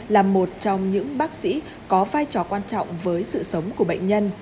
là một trong những bác sĩ có vai trò quan trọng với sự sống của bệnh nhân